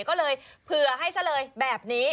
ก็เลยเผื่อให้ซะเลยแบบนี้